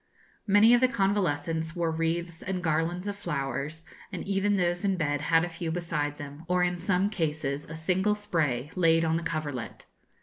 Many of the convalescents wore wreaths and garlands of flowers, and even those in bed had a few beside them, or in some cases a single spray laid on the coverlet.